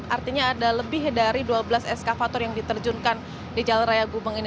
artinya ada lebih dari dua belas eskavator yang diterjunkan di jalan raya gubeng ini